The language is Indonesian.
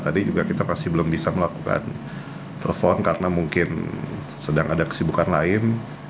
tadi juga kita masih belum bisa melakukan telepon karena mungkin sedang ada kesibukan lain